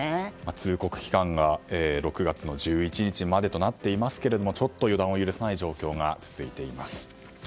通告期間が６月の１１日までとなっていますがちょっと予断を許さない状況が続いています。